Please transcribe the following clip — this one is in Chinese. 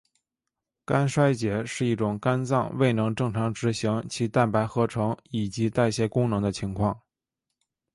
肝衰竭是一种肝脏未能正常执行其蛋白合成以及代谢功能的情况。